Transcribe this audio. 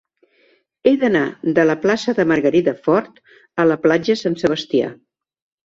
He d'anar de la plaça de Margarida Fort a la platja Sant Sebastià.